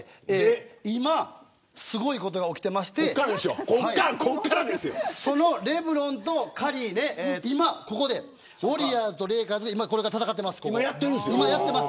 今すごいことが起きていましてそのレブロンとカリーで今ここでウォリアーズとレイカーズが戦っています。